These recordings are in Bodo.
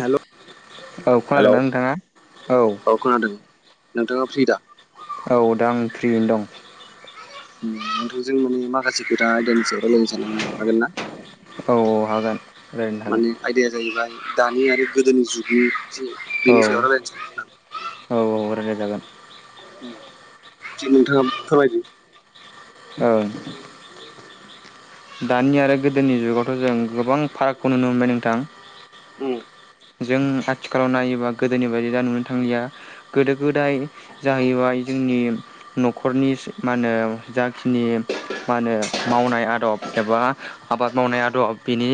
हेल' औ खोनादों ना नोंथाङा औ खोनादों नोंथाङा फ्रि दा औ दा आं फ्रियैनो दं नोंथों जों मानि माखासे खोथा आयदानि सायाव रायजलायनो सानदों मोन हागोन ना औ औ हागोन रायलायनो हागोन माने आयदाया जाहैबाय दानि आरो गोदोनि जुगनि जे बेनि सायाव हागोन रायज्लायनो सान औ औ रायलाय जागोन थि नोंथाङा फोरमायदो औ दानि आरो गोदोनि जुगावथ' जों गोबां फारागखौ नुनो मोनबाय नोंथां उ जों आथिखालाव नायोबा गोदोनि बायदि दा नुनो थांलिया गोदो गोदाय जाहैबाय जोंनि न'खरनि मा होनो जाखिनि मा होनो मावनाय आदब एबा आबाद मावनाय आदब बिनि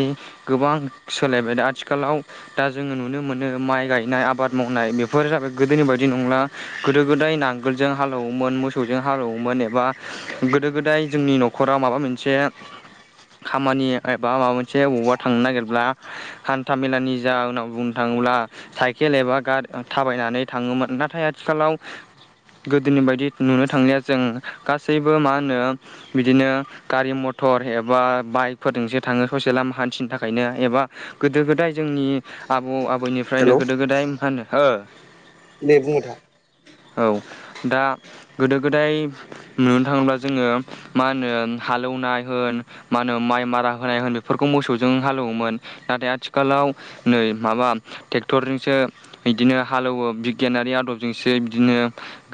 गोबां सोलायबाय आथिखालाव दा जोङो नुनो मोनो माइ गायनाय आबाद मावनाय बेफोर जाबाय गोदोनि बायदि नंला गोदो गोदाय नांगोलजों हालेवोमोन मोसौजों हालेवोमोन एबा गोदो गोदाय जोंनि न'खर न'खरा माबा मोनसे खामानि एबा माबा मोनसे बबावबा थांनो नागिरब्ला हान्था मेलानि जाहनाव बुंनो थाङोब्ला साइकेल एबा गारि थाबायनानै थाङोमोन नाथाय आथिखालाव गोदोनि बायदि नुनो थांलिया जों गासैबो मा होनो बिदिनो गारि मथर एबा बाइकफोरजोंसो थाङो ससे लामा हान्थिनो थाखायनो एबा गोदो गोदाय जोंनि आबौ आबैनिफ्रायनो हेल' गोदो गोदाय मा होनो ओ दे बुं नोंथां औ दा गोदो गोदाय नुनो थाङोब्ला जोङो मा होनो हालेवनाय होन मा होनो माइ मारा होनाय होन बेफोरखौ मोसौजों हालेवोमोन नाथाय आथिखालाव नै माबा ट्रेक्टरजोंसो बिदिनो हालेवो बिगियानारि आदबजोंसो बिदिनो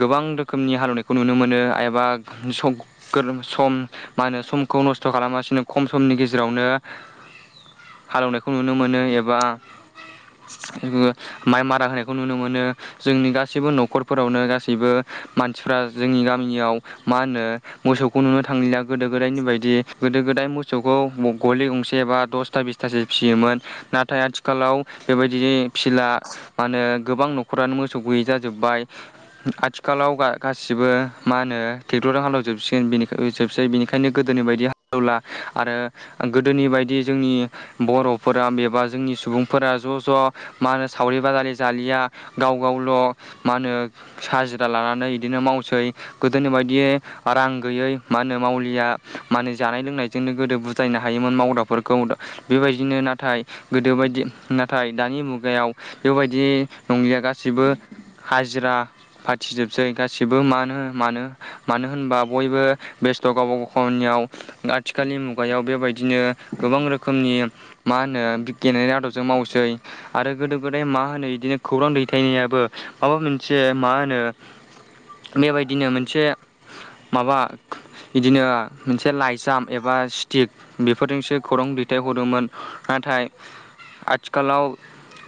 गोबां रोखोमनि हालेवनायखौ नुनो मोनो एबा सम मा होनो समखौ नस्थ' खालामासिनो खम समनि गेजेरावनो हालेवनायखौ नुनो मोनो एबा माइ मारा होनायखौ नुनो मोनो जोंनि गासैबो न'खरफोरावनो गासैबो मानसिफ्रा जोंनि गामियाव मा होनो मोसौखौ नुनो थांलिया गोदो गोदायनि बायदि गोदो गोदाय मोसौखौ गलि गंसे बा दसथा बिस माखासे फिसियोमोन नाथाय आथि आथिखालाव बेबायदि फिसिला मा होनो गोबां न'खरानो मोसौ गैयै जाजोबबाय आथिखालाव गासिबो मा होनो ट्रेक्टरजों हालेवजोबसिगोन जोबसै बेनिखा बेनि ओंखायनो गोदोनि बायदि हालेवला आरो गोदोनि बायदि जोंनि बर'फोरा बेबा जोंनि सुबुंफोरा ज' ज' मा होनो सावरि बादालि जालिया गाव गावल' मा होनो हाजिरा लानानै बिदिनो मावसै गोदोनि बायदि रां गैयै मा होनो मावलिया मा होनो जानाय लोंनायजोंनो गोदो बुजायनो हायोमोन मावद्राफोरखौ बेबायदिनो नाथाय गोदो बायदि नाथाय दानि मुगायाव बेबायदि नंलिया गासिबो हाजिरा फाथिजोबसै गासिबो मानो मानो मानो होनबा बयबो बेस्थ' गावबा गाव खामानियाव आथिखालनि मुगायाव बेबायदिनो गोबां रोखोमनि मा होनो बिगियानारि आदब जों मावसै आरो गोदो गोदाय मा होनो बिदिनो खौरां दैथायनायाबो माबा मोनसे मा होनो बेबायदिनो मोनसे माबा बिदिनो मोनसे लाइजाम एबा स्टिक बेफोरजोंसो खौरां दैथाय हरोमोन नाथाय आथिखालाव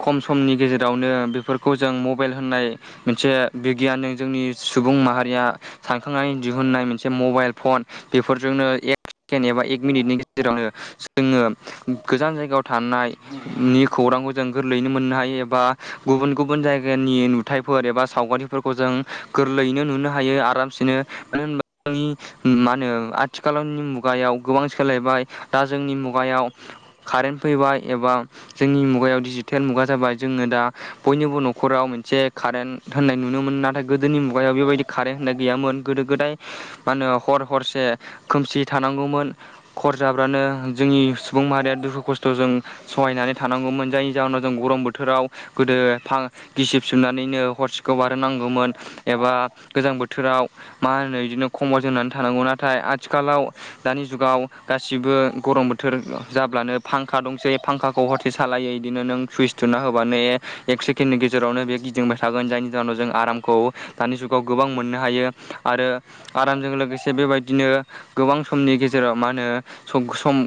खम समनि गेजेरावनो बेफोरखौ जों मबाइल होननाय मोनसे बिगियानजों जोंनि सुबुं माहारिया सानखांनानै दिहुननाय मोनसे मबाइल फन बेफोरजोंनो सेकेणड एबा एक मिनिटनि गेजेरावनो जोङो गोजान जायगायाव थानाय नि खौरांखौ जों गोरलैयैनो मोननो हायो एबा गुबुन गुबुन जायगानि नुथायफोर एबा सावगारिफोरखौ जों गोरलैयैनो नुनो हायो आरामसिनो मानो होनबा जोंनि मा होनो आथिखालनि मुगायाव गोबां सोलायबाय दा जोंनि मुगायाव कारेन्ट फैबाय एबा जोंनि मुगायाव डिजिटेल मुगा जाबाय जोङो दा बयनिबो न'खराव मोनसे कारेन्ट होननाय नुनो मोनोन नाथाय गोदोनि मुगायाव बेबायदि कारेत होननाय गैयामोन। गोदो गोदाय मा होनो हर हरसे खोमसि थानांगौमोन। हर जाब्लानो जोंनि सुबुं माहारिया दुखु खस्थ'जों सहायनानै थानांगौमोन जायनि जाहोनाव जों गरम बोथोराव गोदो फां गिसिब सोमनानैनो हरसेखौ बारहोनांगौमोन। एबा गोजां बोथोराव मा होनो बिदिनो खम्बाव जोंनानै थानांगौ नाथाय आथिखालाव दानि जुगाव गासिबो गरम बोथोर जाब्लानो फांखा दंसै फांखाखौ हथे सालायो बिदिनो नों सुइस थुना होबानो एक सेकेणडनि गेजेरावनो बे गि गिदिंबाय थागोन जायनि जाहनाव जों आरामखौ दानि जुगाव गोबां मोननो हायो आरो आरामजों लोगोसे बेबायदिनो गोबां समनि गेजेराव मा होनो सम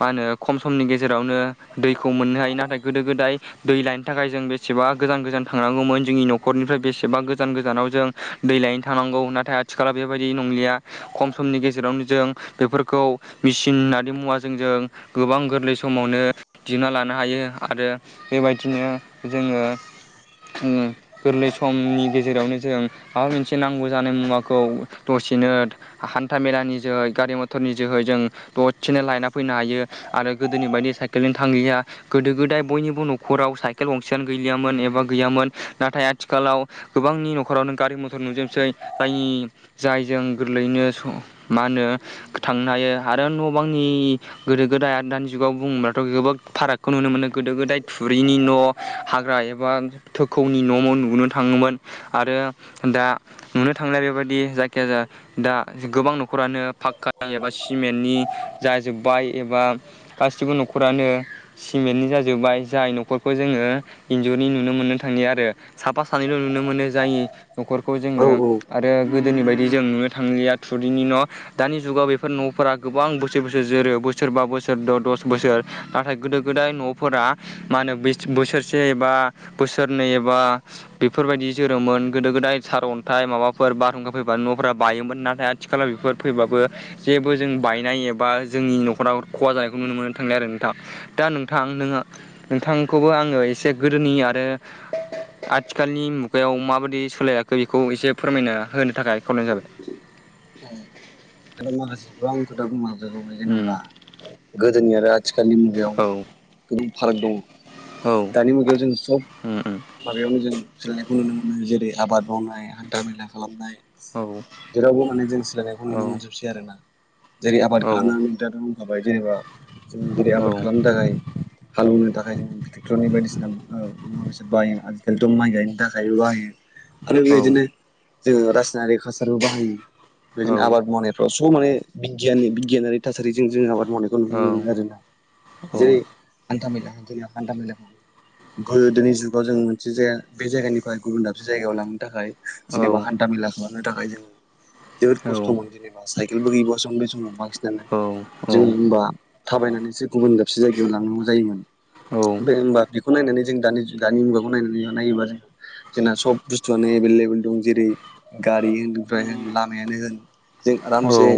मा होनो खम समनि गेजेरावनो दैखौ मोननो हायो नाथाय गोदो गोदाय दै लायनो थाखाय जों बेसेबा गोजान गोजान थांनांगौमोन जोंनि न'खरनिफ्राय बेसेबा गोजान गोजानाव जों दै लायनो थांनांगौ नाथाय आथिखालाव बेबायदि नंलिया। खम समनि गेजेरावनो जों बेफोरखौ मेचिन होननानै मुवाजों जों गोबां गोरलै समावनो दिहुनना लानो हायो आरो बेबायदिनो जोङो [inaudible] गोरलै समनि गेजेरावनो जों माबा मोनसे नांगौ जानाय मुवाखौ दसेनो हान्था मेलानि जोहै गारि मथरनि जोहै जों बहसिनो लायना फैनो हायो आरो गोदोनि बायदि साइकेलजों थांहैया गोदो गोदाय बयनिबो न'खराव साइकेल गंसेानो गैलियामोन एबा गैयामोन नाथाय आथिखालाव गोबांनि न'खरावनो गारि मथर नुजोबनोसै जायनि जायजों गोरलैयैनो मा होनो थांनो हायो आरो न' बांनि गोदो गोदाय आरो दानि जुगाव बुङोब्लाथ' गोबां फारागखौ नुनो मोनो गोदो गोदाय थुरिनि न' हाग्रा एबा थोखौनि न' नुनो थाङोमोन आरो दा नुनो थांनाय बेबायाददि जायखियाजाया दा गोबां न'खरानो फाखका एबा सिमेन्टनि जाजोब्बाय एबा गासिबो न'खरानो सिमेन्टनि जाजोब्बाय जाय न'खरखौ जोङो इन्जुरनि नुनो मोननो थांलिया आरो। साफा सानैल' नुनो मोनो जाय न'खरखौ औ जोङो औ आरो गोदोनि बायदि जों नुनो थांलिया थुरिनि न' दानि जुगाव बेफोर न'फोरा गोबां बोसोर बोसोर जोरो बोसोरबा बोसोर द' दस बोसोर नाथाय गोदो गोदाय न'फोरा मा होनो बोसोरसे एबा बोसोरनै एबा बेफोरबायदि जोरोमोन गोदो गोदाय सारअन्थाइ माबाफोर बारहुंखा फैबानो न'फोरा बायोमोन नाथाय आ खाथिलाव बेफोर फैबाबो जेबो जों बायनाय एबा जोंनि न'खराव खहा जानाय नुनो मोननो थांनाय आरो नोंथां दा नोंथां नोङो नोंथांखौबो आङो एसे गोदोनि आरो [inaudible] आथिखालनि मुगायाव माबायदि सोलायाखै बेखौ एसे फोरमायना होनो थाखाय खावलायनाय जाबाय। ए दा माखासे गोबां खोथा बुंलां जागाबाय जेनेबा गोदोनि आरो आ थिखालनि मुगायाव उम औ गोबां फाराग दङ औ दानि मुगायाव जों सब उम माबायावनो जों सोलायनायखौ नुनो मोनो जेरै आबाद मावनाय हान्था मेला खालामनाय औ जेरावबो जों सोलोंनायखौ औ नुनो मोनजोबसै आरो ना जेरै औ आबाद खालामनानैाथ' बुंखाबाय जेनेबा जोङो जेरै औ आबाद खालामनो थाखाय हालौवनो थाखाय जोङो ट्रेक्ट्ररनि बायदिसिना मुवा-बेसाद बाहायो आजिखालिथ' माइ गायनि थाखायबो बाहायो आरो बेबायदिनो जोङो रासायनारि हासारबो बाहायो बेदिनो आबाद मावनाय स' माने बिगियाननि बिगियानारि थासारिजों जों आबाद मावनाय खौ नुनो मोनो आरोना जेरै हान्था-मेला जों हान्था-मेलाखौ गोदोनि जुगाव जों मोनसे जाया बे जायगानिफ्राय गुबुन दाबसे जायगायाव लांनो थाखाय औ जेनेबा-हान्था मेला खालामनो थाखाय जों जोबोद खस्थ'मोन जेनेबा साइकेलबो गैबावासोमोन बे समाव बांसिनानो जों होनबा थाबायनानैसो गुबुन दाबसे जायगायाव लांनांगौ जायोमोन बे होमबा बेखौ नायनानै जों दानि दानि मुगाखौ नायनानै नायोबा जों जोंना सब बुस्थुआनो एभेलेबल दं जेरै गारि होनफ्राय होन लामायानो होन जों आरामसे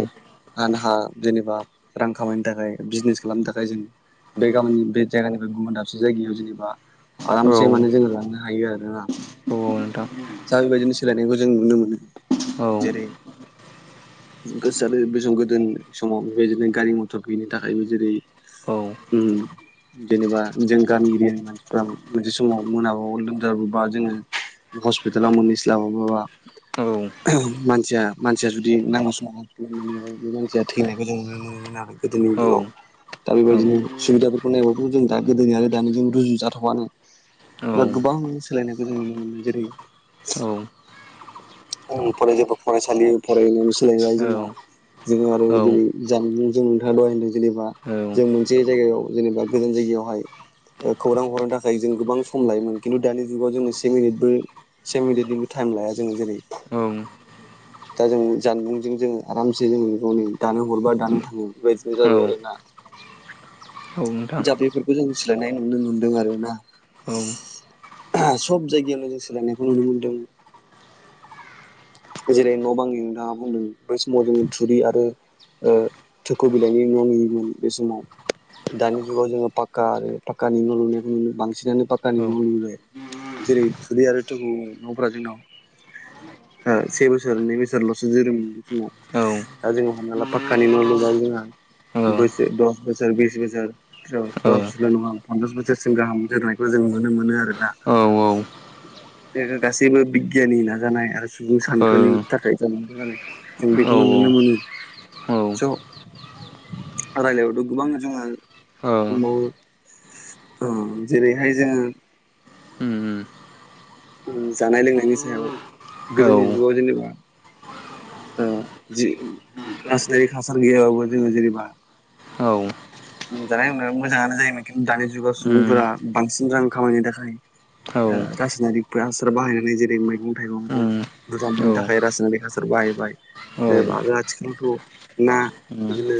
आनहा जेनेबा रां खामायनो थाखाय बिजनेस खालामनो थाखाय जों बे गामिनि बे जायगानिफ्राय गुबुन दाबसे जायगायाव जेनेबा आरामसे माने जोङो लांनो हायो आरोना दा बेबायदिनो सोलायनायखौ जों नुनो मोनो जेरै गोसो आरो बे सम गोदोनि समाव बेबायदिनो गारि मथर गैयिनि थाखायबो जेरै ओम जेनेबा जों गामि एरियानि मानसिफ्रा मोनसे समाव मोनाब लोमजाबोबा जोङो हस्पिटालाव मोनहैस्लाबाबाबा औ मानसिया मानसिया जुदि नांगौ समाव मोनैयाबा बे मानसिया थैनायखौ जों नुनो मोनोमोन आरो गोदोनि जुगाव दा बेबायदिनो सुबिदाफोरखौ नायबाबोथ' जों दा गोदोनि आरो दानिजों रुजु जाथावानो बा गोबां सोलायनायखौ जों नुनो मोनो जेरै औ फराय साफोर फरायसालि फरायनाय सोलायबाय जोंना जोङो आरो जेरै औ औ जानबुं जों नोंथाङा दहाय होनदों जेनेबा औ जों मोनसे जायगायाव जेनेबा गोजान जायगायावहाय ओ खौरां हरनो थाखाय जों गोबां सम लायोमोन खिन्थु दानि जुगाव जोङो से मिनिटबो से मिनिदनिबो थाइम लाया जोङो जेरै ओम दा जों जानबुंजों जोङो आरामसे जोङो गावनो दानो हरबा दानो थाङो बेबायदिनो जाबाय आरोना नोंथां जा बेफोरखौ जों सोलायनाय नुनो मोनदों आरोना औ आ सब जायगायावनो जों सोलायनायखौ नुनो मोन्दों जेरै न' बां नोंथाङा बुंदों बै समाव जोङो थुरि आरो ओ थोखौ बिलाइनि न' नुयोमोन बे समाव दानि जुगाव जोङो पाका आरो पाकानि न' लुनायखौ नुनो बांसिनानो औ पाकानि न' लुनाय जेरै थुरि आरो थखौ न'फोरा जोंनाव ओ से बोसोर नै बोसोरल'सो जोरोमोन बे समाव औ औ दा जोंङो हमना ला पाक्कानि न' लुबा जोंहा औ नोंथां औ औ बोसोर दस बोसोर बिस बोसोर औ दसल' नङा पनसास बोसोरसिम गाहाम जोरनायखौ जों नुनो मोनो आरोना जोङो गासिबो बि गियानि नाजानाय आरो सुबुं सानखोनि थाखाय जों मोनदों आरो जों बेखौनो नुनो मोनो औ स' रायलायबाथ' गोबां जोङो ओ दंबावो ओ जेरैहाय जोङो उम ओ जानाय-लोंनायनि सायाव औ गोदोनि जुगाव जेनेबा ओ जि रासनारिक हासार गैयाबाबो जोङो जेनेबा औ ओ जानाय-लोंनायाव मोजाङानो जायोमोन खिनथु दानि जुगाव उम सुबुंफोरा बांसिन रां खामायनो थाखाय औ ओ रासायनारिक हासार बाहायनानै जेरै मैगं-थाइगंखौ उम बुरजा औ मोननो थाखाय रासायनारिक हासार बाहायबाय औ जेब उम आरो आथिखालावथ' ना बिदिनो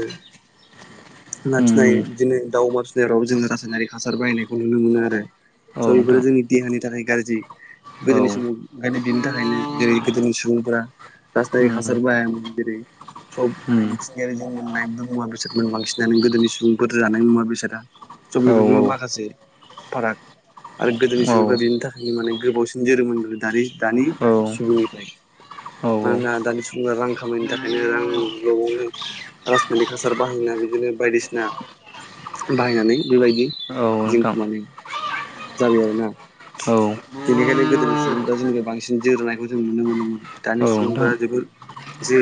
न फिनाय उम बिदिनो दाउ अमा फिसिनाय राव जोङो रासायनारिक हासार बाहायनायखौ नुनो मोनो आरो। औ स' बेफोरो नोंथां जोंनि देहानि थाखाय गाज्रि। औ गोदोनि समाव ओंखायनो बिनि थाखायनो जेरै गोदोनि सुबुंफोरा राजासथारिख उम हासार बाया मन्दिरै सब माने उम मिथिंगायारि जों मोननाय मुवा बेसादमोन बांसिनानो गोदोनि सुबुंफोर जानाय मुवा बेसादा सब औ बेफोरखौ माखासे फाराग आरो गोदोनि औ सुबुंफ्रा बेनि थाखायनो माने गोबावसिन जोरोम मोन दानि दानि सुबुंनिफ्राय औ मानोना दानि सुबुंफोरा रां खामायनो थाखायनो रां लबावनो राजासनितक हासार बाहायनाय बिदिनो बायदिसिना बाहायनानै बेबायदि नोंथां जिोंखौ माने जाबाय आरोना औ बेनिखायनो गोदोनि सुबुंफोरा जोंनिो बांसिन जोरोननायखौ जों नुनो मोनोमोन औ दानि नोंथां सुबुंफोरा जोबोद एसे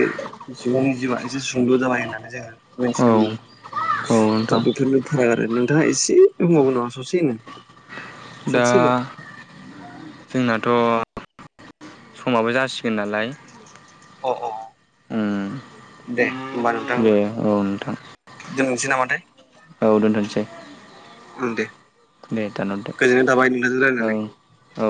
सुबुंनि जिबआ एसे सुंद' जाबाय होननानै जोङो औ मोनथिनो मोनो। दा नोंथां बेफोरनो फाराग आरो नोंथाङा एसे बुंबावगौ नामा ससेनो? दा ससेल' जोंनाथ' समाबो जासिगोन नालाय। अ अ उम दे होमबा नोंथां दे औ नोंथां दोननोसै नामाथाय? औ दोनथ'नोसै। ं दे दे दानहरदो गोजोननाय थाबाय नोंथांजों रायलायनानै। औ